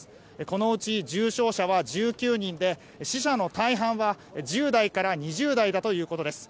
このうち重傷者は１９人で死者の大半は１０代から２０代だということです。